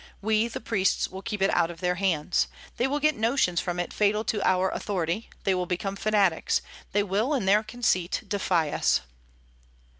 We, the priests, will keep it out of their hands. They will get notions from it fatal to our authority; they will become fanatics; they will, in their conceit, defy us."